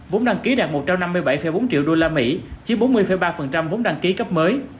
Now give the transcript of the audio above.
vốn đăng ký đạt một trăm năm mươi bảy bốn triệu đô la mỹ chiếm bốn mươi ba vốn đăng ký cấp mới